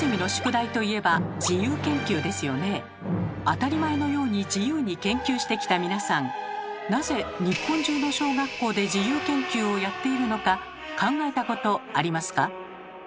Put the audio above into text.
当たり前のように自由に研究してきた皆さんなぜ日本中の小学校で自由研究をやっているのか考えたことありますか？